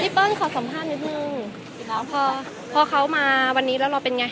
เปิ้ลขอสัมภาษณ์นิดนึงพอพอเขามาวันนี้แล้วเราเป็นไง